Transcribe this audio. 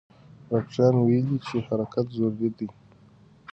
ډاکټران ویلي چې حرکت ضروري دی.